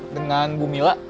dengan bu mila